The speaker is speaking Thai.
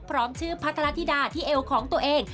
พร้อมชื่อพัทรธิดาที่เอวของตัวเอง